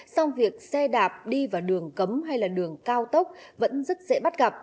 song việc xe đạp đi vào đường cấm hay là đường cao tốc vẫn rất dễ bắt gặp